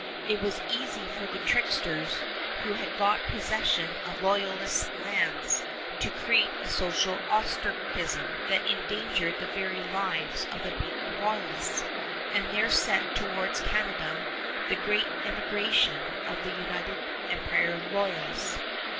It was easy for the tricksters who had got possession of the loyalists' lands to create a social ostracism that endangered the very lives of the beaten Royalists, and there set towards Canada the great emigration of the United Empire Loyalists.